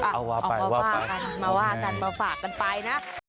เอามาว่ากันมาว่ากันมาฝากกันไปนะ